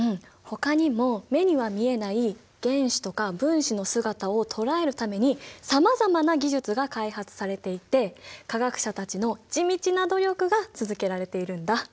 ほかにも目には見えない原子とか分子の姿を捉えるためにさまざまな技術が開発されていて科学者たちの地道な努力が続けられているんだ。